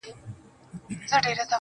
• داسي ژوند هم راځي تر ټولو عزتمن به يې.